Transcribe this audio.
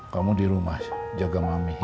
kamu di rumah jaga mami